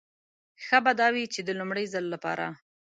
ښه به دا وي چې د لومړي ځل لپاره.